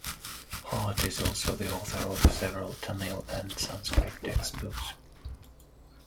Hart is also the author of several Tamil and Sanskrit textbooks.